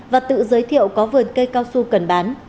và tự giới thiệu có vườn cây cao su cần bán